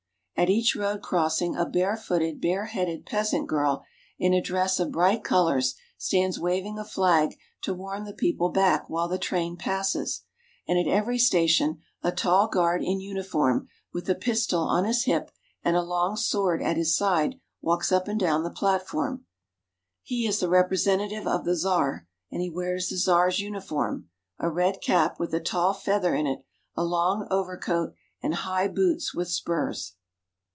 At each road crossing a barefooted, bareheaded peas ant girl in a dress of bright colors stands waving a flag to warn the people back while the train passes ; and at every station a tall guard in uniform, with a pistol on his hip and a long sword at his side, walks up and down 318 RUSSIA. the platform. He is the representative of the Czar, and he wears the Czar's uniform : a red cap with a tall feather in it, a long overcoat, and high boots with spurs.